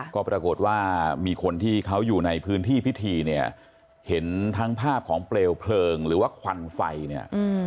ก็ปรากฏว่ามีคนที่เขาอยู่ในพื้นที่พิธีเนี่ยเห็นทั้งภาพของเปลวเพลิงหรือว่าควันไฟเนี่ย